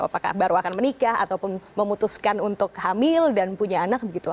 apakah baru akan menikah ataupun memutuskan untuk hamil dan punya anak begitu